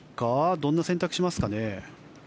どんな選択をしますかね？